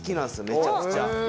めちゃくちゃ。